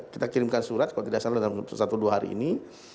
kita kirimkan surat kalau tidak salah dalam satu dua hari ini